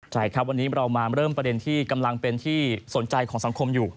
ใช่ครับวันนี้เรามาเริ่มประเด็นที่กำลังเป็นที่สนใจของสังคมอยู่